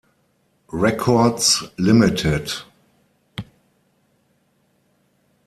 Records Ltd.